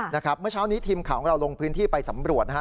เมื่อเช้านี้ทีมข่าวของเราลงพื้นที่ไปสำรวจนะฮะ